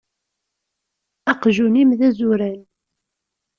Aqjun-im d azuran.